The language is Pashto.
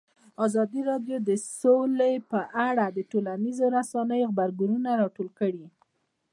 ازادي راډیو د سوله په اړه د ټولنیزو رسنیو غبرګونونه راټول کړي.